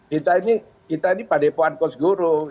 karena kita ini pak depuan kosguru